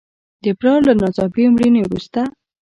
د پلار له ناڅاپي مړینې وروسته.